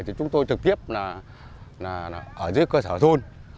vì vậy chúng tôi trực tiếp ở dưới cơ sở thôn